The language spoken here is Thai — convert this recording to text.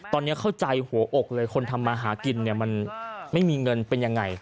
ตอนนี้เข้าใจหัวอกเลยคนทำมาหากินเนี่ยมันไม่มีเงินเป็นยังไง